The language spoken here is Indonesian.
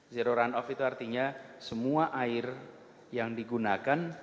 zero run off itu artinya semua air yang digunakan